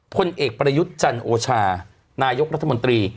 พลเอกประยุทธ์จันโอชานายกรัฐมนตรี